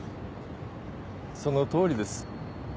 そのとおりです。